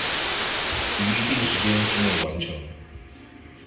於一定時間之内完成